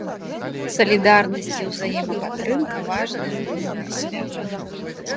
Салідарнасць і ўзаемападтрымка важныя ў любое свята.